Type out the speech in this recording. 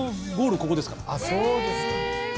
あっそうですか。